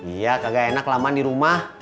iya kagak enak laman di rumah